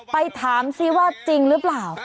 ไปถามซิว่าจริงหรือเปล่า